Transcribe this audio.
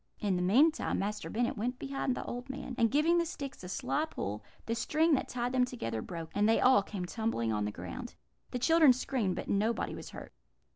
"In the meantime, Master Bennet went behind the old man, and giving the sticks a sly pull, the string that tied them together broke, and they all came tumbling on the ground. The children screamed, but nobody was hurt.